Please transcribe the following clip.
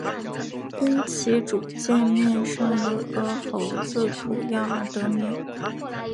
因其主界面上有个猴子图样而得名。